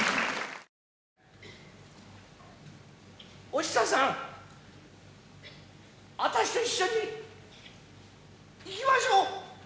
お久さんあたしと一緒に行きましょう。